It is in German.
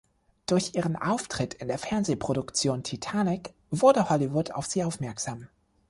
Durch ihren Auftritt in der Fernsehproduktion "Titanic" wurde Hollywood auf sie aufmerksam.